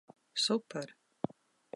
Super!